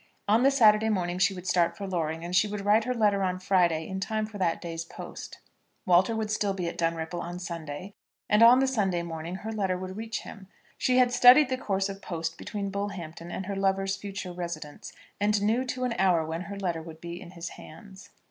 On the Saturday morning she would start for Loring, and she would write her letter on the Friday in time for that day's post. Walter would still be at Dunripple on the Sunday, and on the Sunday morning her letter would reach him. She had studied the course of post between Bullhampton and her lover's future residence, and knew to an hour when her letter would be in his hands.